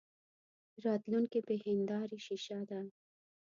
راتلونکې بې هیندارې شیشه ده.